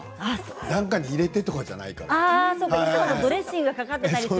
何かに入れてとかじゃないからかな？